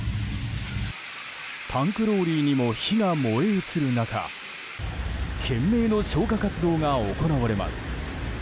タンクローリーにも火が燃え移る中懸命の消火活動が行われます。